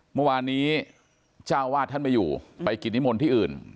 เมื่อวานนี้เจ้าวาดท่านไม่อยู่ไปกิจนิมนต์ที่อื่น